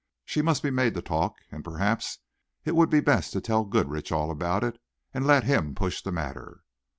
She must be made to talk, and perhaps it would be best to tell Goodrich all about it, and let him push the matter."